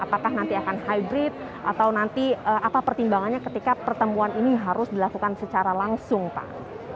apakah nanti akan hybrid atau nanti apa pertimbangannya ketika pertemuan ini harus dilakukan secara langsung pak